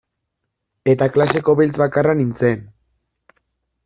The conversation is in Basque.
Eta klaseko beltz bakarra nintzen.